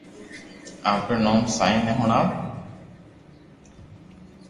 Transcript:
آپري نوم سائين ني ھڻاو